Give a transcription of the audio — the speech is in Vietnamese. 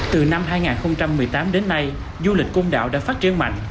từ năm hai nghìn một mươi tám đến nay du lịch côn đảo đã phát triển mạnh